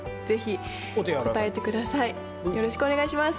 よろしくお願いします。